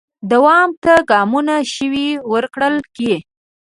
دوام ته ګامونو شوي ورکړل کې